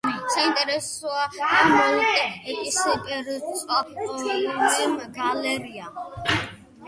საინტერესოა მოლტკეს ფერწერული გალერეა.